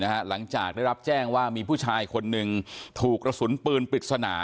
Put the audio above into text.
หลังจากได้รับแจ้งว่ามีผู้ชายคนหนึ่งถูกกระสุนปืนปริศนา